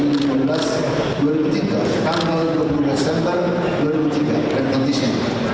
dia sudah menjadi pemerintah yang terbaik di indonesia